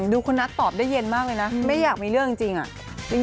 ดูคุณนัทตอบได้เย็นมากเลยนะไม่อยากมีเรื่องจริงอะ